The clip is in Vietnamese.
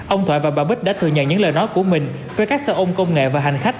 ông thoại và bà bích đã thừa nhận những lời nói của mình về các xe ôn công nghệ và hành khách